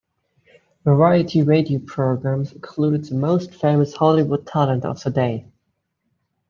Variety radio programs included the most famous Hollywood talent of the day.